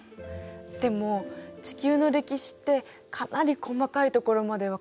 でも地球の歴史ってかなり細かいところまでわかってるんでしょ。